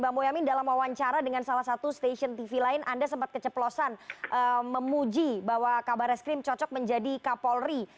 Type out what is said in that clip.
bang boyamin dalam wawancara dengan salah satu stasiun tv lain anda sempat keceplosan memuji bahwa kabar reskrim cocok menjadi kapolri